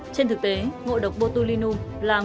trên thực tế ngộ độc botulinum là ngộ độc bệnh nhân tử vong